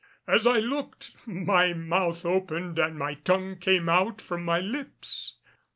As I looked, my mouth opened and my tongue came out from my lips.